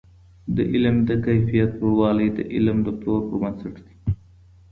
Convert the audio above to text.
د علم د کیفیت لوړوالی د علم د پلور پر بنسټ دی.